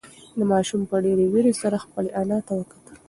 ماشوم په ډېرې وېرې سره خپلې انا ته وکتل.